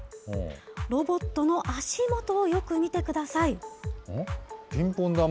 ロボットの足元をよく見てください。